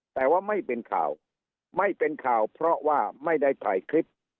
แต่ว่าไม่เป็นข่าวไม่เป็นข่าวเพราะว่าไม่ได้ถ่ายคลิป